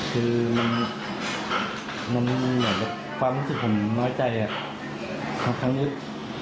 คือความรู้สึกผมน้อยใจมันแท้งด้วย